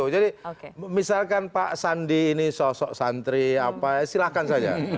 jadi misalkan pak sandi ini sosok santri apa silahkan saja